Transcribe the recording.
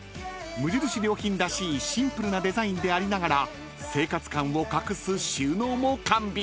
［無印良品らしいシンプルなデザインでありながら生活感を隠す収納も完備］